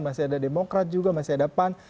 masih ada demokrat juga masih ada pan